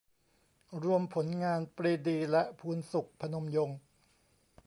รวมผลงาน ปรีดี และ พูนศุข พนมยงค์